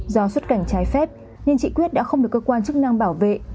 do xuất cảnh trái phép nên chị quyết đã không được cơ quan chức năng bảo vệ